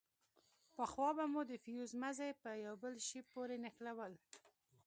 پخوا به مو د فيوز مزي په يوه بل شي پورې نښلول.